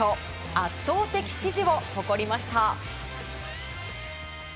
圧倒的支持を誇りました。